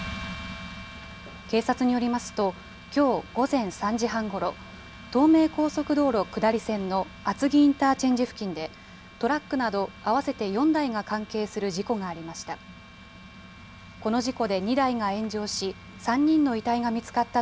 警察によりますと、きょう午前３時半ごろ、東名高速道路下り線の厚木インターチェンジ付近で、トラックなど合わせて４台が関係する事故がありました。